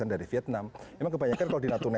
dari vietnam memang kebanyakan kalau di natuna